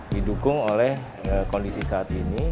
didukung oleh kondisi saat ini